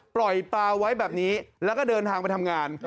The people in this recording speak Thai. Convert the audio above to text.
ปล่อยปลาไว้แบบนี้แล้วก็เดินทางไปทำงาน